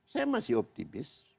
saya masih optimis